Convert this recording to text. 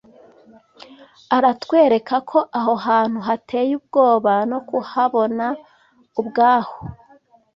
aratwereka ko aho hantu hateye ubwoba, no kuhabona ubwaho